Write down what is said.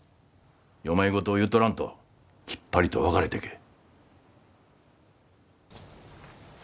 世まい言を言うとらんときっぱりと別れてけえ。